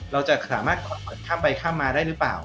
เราจะสามารถข้ามไปข้ามมาได้หรือเปล่า